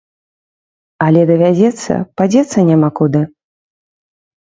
Але давядзецца, падзецца няма куды.